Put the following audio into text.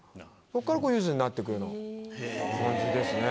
そっからゆずになってくような感じですね。